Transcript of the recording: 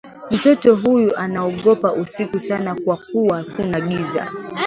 Mtoto huyu anaogopa usiku sana kwa kuwa kuna giza.